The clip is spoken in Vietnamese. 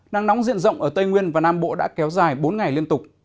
nắng nóng diện rộng ở tây nguyên và nam bộ đã kéo dài bốn ngày liên tục